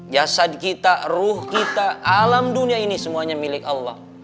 jasad kita ruh kita alam dunia ini semuanya milik allah